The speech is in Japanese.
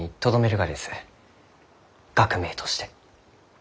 学名として。